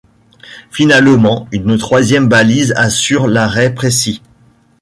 Finalement, une troisième balise assure l’arrêt précis.